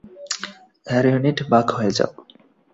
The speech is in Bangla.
এয়ার ইউনিট, ভাগ হয়ে যাও।